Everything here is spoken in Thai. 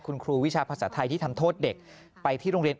คุณครูวิชาภาษาไทยที่ทำโทษเด็กไปที่โรงเรียน